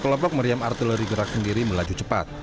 kelompok meriam artileri gerak sendiri melaju cepat